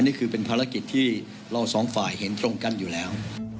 นี่คือเป็นภารกิจที่เราสองฝ่ายเห็นตรงกันอยู่แล้ว